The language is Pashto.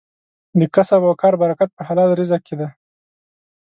د کسب او کار برکت په حلال رزق کې دی.